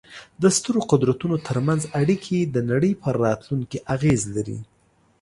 د سترو قدرتونو ترمنځ اړیکې د نړۍ پر راتلونکې اغېز لري.